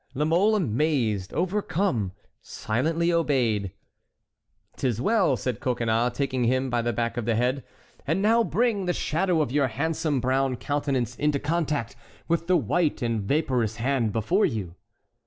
La Mole, amazed, overcome, silently obeyed. "'T is well," said Coconnas, taking him by the back of the head; "and now bring the shadow of your handsome brown countenance into contact with the white and vaporous hand before you."